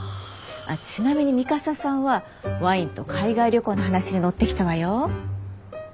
ちなみに三笠さんはワインと海外旅行の話に乗ってきたわよ。